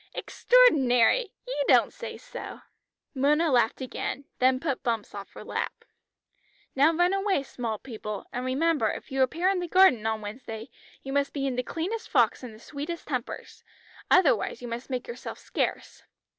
"Extraordinary! You don't say so!" Mona laughed again, then put Bumps off her lap. "Now run away, small people, and remember if you appear in the garden on Wednesday, you must be in the cleanest frocks and the sweetest tempers. Otherwise you must make yourselves scarce."